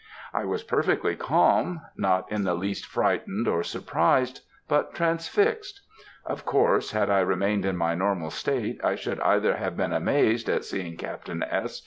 I was perfectly calm, not in the least frightened or surprised, but transfixed. Of course, had I remained in my normal state, I should either have been amazed at seeing Captain S.